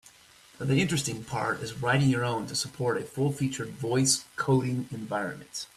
The interesting part is writing your own to support a full-featured voice coding environment.